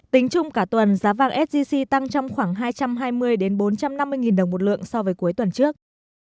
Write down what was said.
tính chung cả tuần giá vàng sgc tăng trong khoảng hai trăm hai mươi bốn trăm năm mươi đồng một lượng so với cuối tuần trước